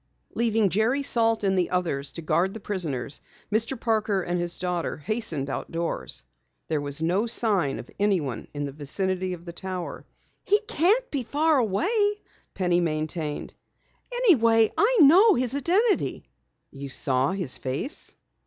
Leaving Jerry, Salt, and the others to guard the prisoners, Mr. Parker and his daughter hastened outdoors. There was no sign of anyone in the vicinity of the Tower. "He can't be far away," Penny maintained. "Anyway, I know his identity!" "You saw his face?"